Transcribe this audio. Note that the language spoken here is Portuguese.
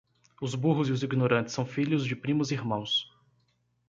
Os burros e os ignorantes são filhos de primos irmãos.